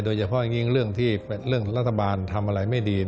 โดยเฉพาะอย่างยิ่งเรื่องที่เรื่องรัฐบาลทำอะไรไม่ดี